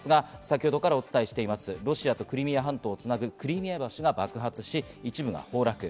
そして今月８日になりますが、先ほどからお伝えしているロシアとクリミア半島をつなぐクリミア橋が爆発し、一部が崩落。